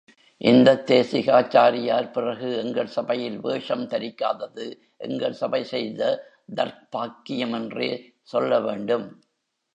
இந்தத் தேசிகாச்சாரியார் பிறகு எங்கள் சபையில் வேஷம் தரிக்காதது எங்கள் சபை செய்த தௌர்ப் பாக்கியமென்றே சொல்ல வேண்டும்.